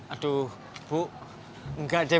aduh bu enggak deh